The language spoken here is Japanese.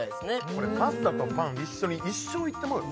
これパスタとパン一緒に一生いってまうよ